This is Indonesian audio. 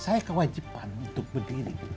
saya kewajiban untuk berdiri